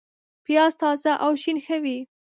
پیاز تازه او شین ښه وي